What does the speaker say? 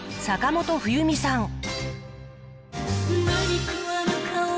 坂本冬美さん